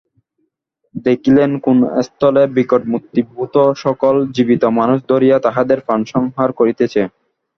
দেখিলেন কোন স্থলে বিকটমূর্তি ভূত সকল জীবিত মনুষ্য ধরিয়া তাহাদের প্রাণ সংহার করিতেছে।